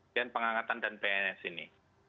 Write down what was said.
dan pengangkatan dan pns ini